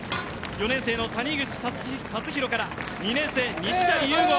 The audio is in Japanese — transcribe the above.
４年生の谷口辰煕から２年生、西代雄豪。